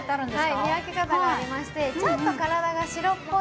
はい見分け方がありましてちょっと体が白っぽいのがメイちゃん。